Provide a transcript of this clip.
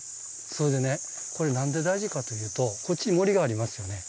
それでねこれ何で大事かというとこっちに森がありますよね。